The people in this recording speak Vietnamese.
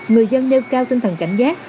người dân nêu cao tinh thần cảnh giác